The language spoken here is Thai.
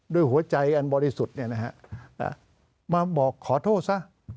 ด้วยหัวใจอันบริสุทธิ์มาบอกขอโทษซะ